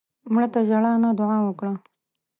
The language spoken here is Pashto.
مړه ته ژړا نه، دعا وکړه